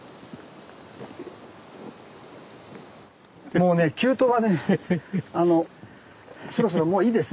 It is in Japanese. もうね急登はねあのそろそろもういいです。